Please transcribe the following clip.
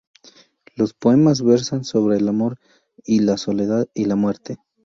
Los poemas versan sobre el amor, la soledad y la muerte.